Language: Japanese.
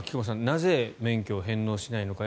なぜ免許を返納しないのか